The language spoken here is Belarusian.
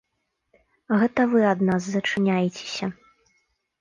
Гэта вы ад нас зачыняецеся.